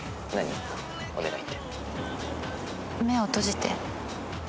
目を閉じて。